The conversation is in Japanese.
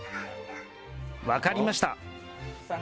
分かりました。